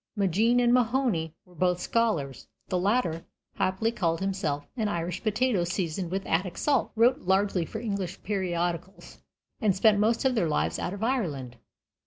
Maginn and Mahony were both scholars the latter happily called himself "an Irish potato seasoned with Attic salt" wrote largely for English periodicals, and spent most of their lives out of Ireland.